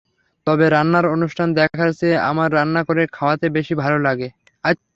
তবে রান্নার অনুষ্ঠান দেখার চেয়ে আমার রান্না করে খাওয়াতে বেশি ভালো লাগে।